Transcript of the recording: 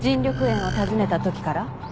緑園を訪ねた時から？